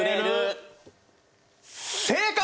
正解！